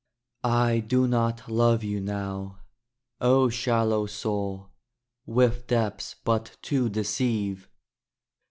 II I do not love you now, O shallow soul, with depths but to deceive!